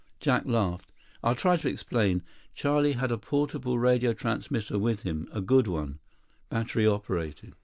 Jack laughed. "I'll try to explain. Charlie had a portable radio transmitter with him. A good one, battery operated.